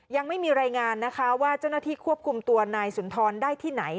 ยังไม่มีรายงานนะคะว่าเจ้าหน้าที่ควบคุมตัวนายสุนทรได้ที่ไหน